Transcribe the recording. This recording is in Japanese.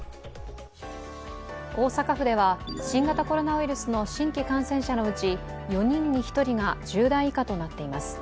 大阪府では新型コロナウイルスの新規感染者のうち４人に１人が１０代以下となっています。